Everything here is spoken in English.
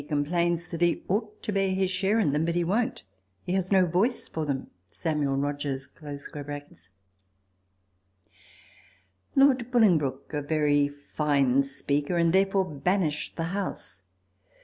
complains that he ought to bear his share in them ; but he won't ; he has no voice for them. S. R.]. Lord Bolingbroke a very fine speaker, and there fore banished the house.